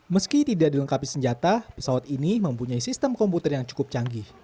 meski tidak dilengkapi senjata pesawat ini mempunyai sistem komputer yang cukup canggih